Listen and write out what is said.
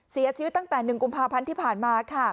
เสียชีวิตตั้งแต่๑กุมภาพันธ์ที่ผ่านมาค่ะ